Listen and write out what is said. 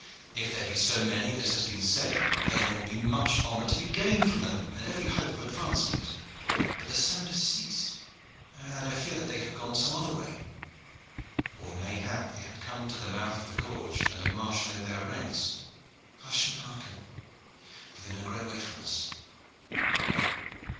"If there be so many as has been said, then there will be much honor to be gained from them and every hope of advancement. But the sound has ceased, and I fear that they have gone some other way." "Or mayhap they have come to the mouth of the gorge, and are marshalling their ranks. Hush and hearken! for they are no great way from us."